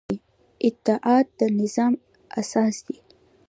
اطاعت د نظام اساس دی